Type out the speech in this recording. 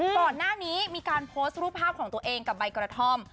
ก่อนหน้านี้มีการโพสต์รูปภาพของตัวเองกับใบกระท่อม